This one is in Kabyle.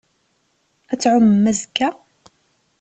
Ad tɛummem azekka?